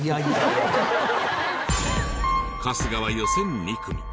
春日は予選２組。